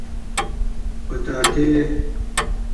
🥔 کچالو